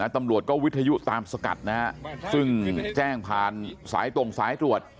ตำรวจก็วิทยุตามสกัดนะฮะซึ่งแจ้งผ่านสายตรงสายตรวจ